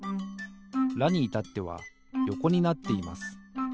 「ラ」にいたってはよこになっています。